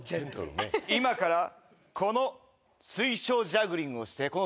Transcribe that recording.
今からこの水晶ジャグリングをして。